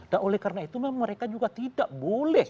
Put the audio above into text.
dan oleh karena itu mereka juga tidak boleh